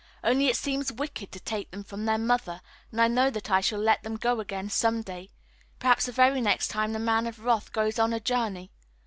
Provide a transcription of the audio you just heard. Only it seems wicked to take them from their mother, and I know that I shall let them go again some day perhaps the very next time the Man of Wrath goes on a journey.